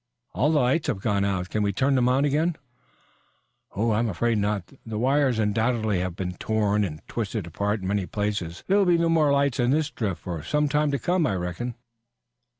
"All the lights have gone out. Can't we turn them on again?" "I'm afraid not. The wires undoubtedly have been torn and twisted apart in many places. There will be no more light in this drift for some time to come, I reckon."